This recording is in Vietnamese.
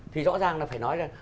thì rõ ràng là phải nói ra